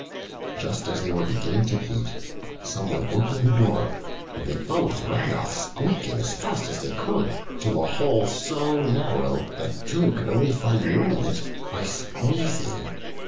Just as they were beginning to eat, someone opened the door, and they both ran off squeaking, as fast as they could, to a hole so narrow that two could only find room in it by squeezing.